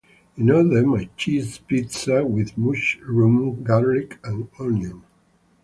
I order my cheese pizza with mushroom, garlic, and onion.